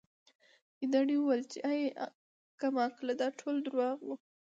ګیدړ وویل چې اې کم عقلې دا ټول درواغ وو